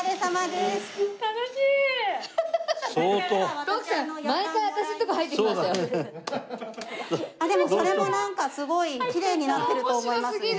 でもそれもなんかすごいきれいになってると思いますね。